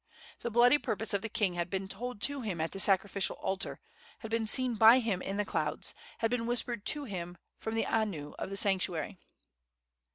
The bloody purpose of the king had been told to him at the sacrificial altar, had been seen by him in the clouds, had been whispered to him from the anu of the sanctuary.